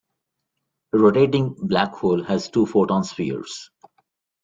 A rotating black hole has two photon spheres.